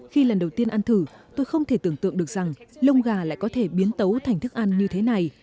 khi lần đầu tiên ăn thử tôi không thể tưởng tượng được rằng lông gà lại có thể biến tấu thành thức ăn như thế này